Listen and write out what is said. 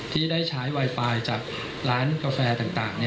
ที่ได้ใช้ไวไฟจากร้านกาแฟต่าง